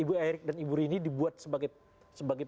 ibu erik dan ibu rini dibuat sebagai